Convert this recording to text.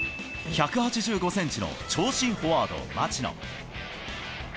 １８５センチの長身フォワード、町野。